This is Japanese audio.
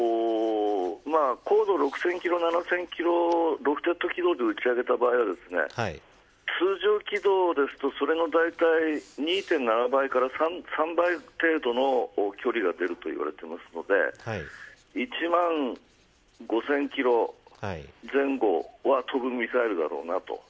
高度６０００キロ、７０００キロロフテッド軌道で撃ち上げた場合は通常起動ですとそれのだいたい２．７倍から３倍程度の距離が出ると言われているので１万５０００キロ前後は飛ぶミサイルだろうと。